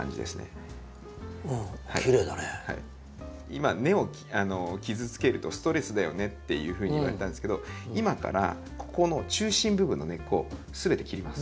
今「根を傷つけるとストレスだよね」っていうふうに言われたんですけど今からここの中心部分の根っこすべて切ります。